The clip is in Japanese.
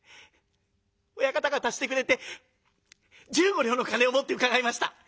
親方が足してくれて十五両の金を持って伺いました。